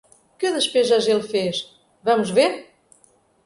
Que despesas ele fez, vamos ver?